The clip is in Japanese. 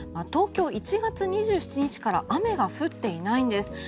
東京、１月２７日から雨が降っていないんです。